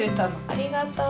ありがとう。